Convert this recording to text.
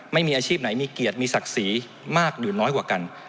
ไม่มีอาชีพไหนมีเกียรติมีศักดิ์ศรีมากหรือน้อยกว่ากัน